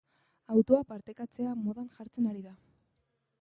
Autoa partekatzea modan jartzen ari da.